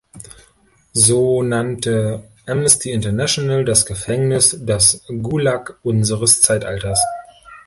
So nannte Amnesty International das Gefängnis „das Gulag unseres Zeitalters“.